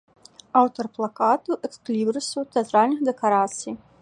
Аўтар плакатаў, экслібрысаў, тэатральных дэкарацый.